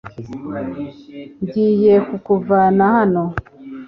ngiye kukuvana hano